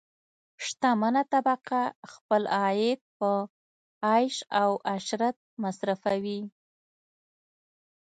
شتمنه طبقه خپل عاید په عیش او عشرت مصرفوي.